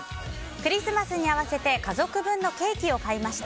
クリスマスに合わせて家族分のケーキを買いました。